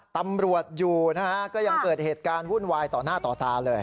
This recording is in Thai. ตำรวจอยู่นะฮะก็ยังเกิดเหตุการณ์วุ่นวายต่อหน้าต่อตาเลย